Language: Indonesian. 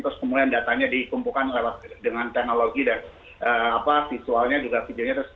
terus kemudian datanya dikumpulkan lewat dengan teknologi dan visualnya juga videonya